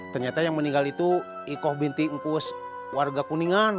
ternyata yang meninggal itu iko binti ngkus warga kuningan